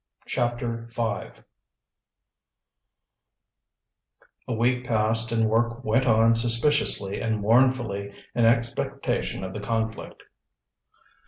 CHAPTER V A week passed, and work went on suspiciously and mournfully in expectation of the conflict.